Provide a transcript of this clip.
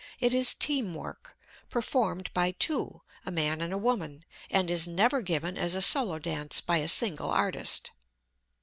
It is "team" work, performed by two, a man and a woman, and is never given as a solo dance, by a single artist.